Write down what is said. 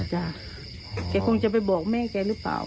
แกคงจะไปบอกแม่แกหรือเปล่า